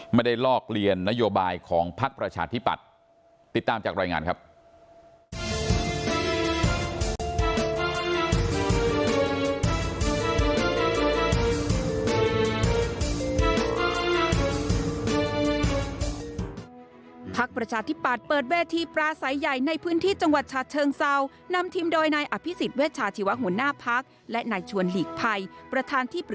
ลอกเลียนนโยบายของพักประชาธิปัตย์ติดตามจากรายงานครับ